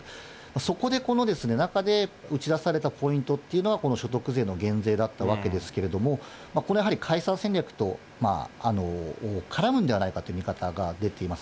そこでこの中で打ち出されたポイントっていうのが、この所得税の減税だったわけですけれども、これやっぱり、解散戦略と絡むんではないかという見方が出ています。